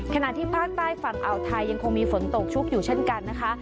ขณะที่ภาคใต้ฝั่งอ่าวไทยยังคงมีฝนตกชุกอยู่เช่นกันนะคะ